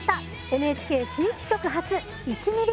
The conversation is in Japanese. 「ＮＨＫ地域局発１ミリ